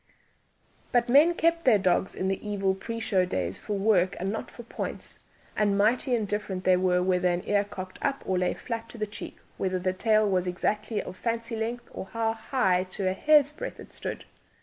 But men kept their dogs in the evil pre show days for work and not for points, and mighty indifferent were they whether an ear cocked up or lay flat to the cheek, whether the tail was exactly of fancy length, or how high to a hair's breadth it stood.